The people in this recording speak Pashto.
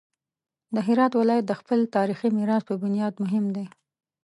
د هرات ولایت د خپل تاریخي میراث په بنیاد مهم دی.